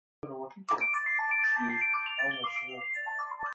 سنگ نبشتهها به خط میخی